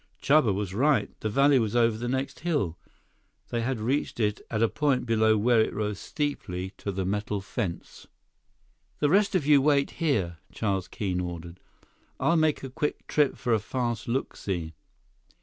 Chuba was right. The valley was over the next hill. They had reached it at a point below where it rose steeply to the metal fence. "The rest of you wait here," Charles Keene ordered. "I'll make a quick trip for a fast look see."